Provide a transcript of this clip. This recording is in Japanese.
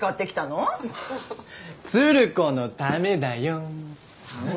鶴子のためだよ。